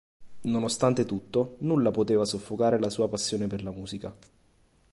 Nonostante tutto, nulla poteva soffocare la sua passione per la musica.